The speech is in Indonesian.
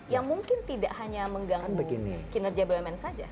yang mungkin tidak hanya mengganggu kinerja bumn saja